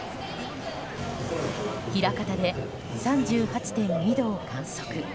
枚方で３８．２度を観測。